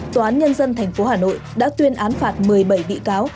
tòa án nhân dân tp hà nội đã tuyên án phạt một mươi bảy bị cáo